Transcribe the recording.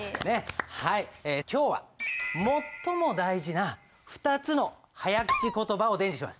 はい今日は最も大事な２つの早口言葉を伝授します。